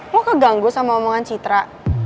gue keganggu sama omongan citra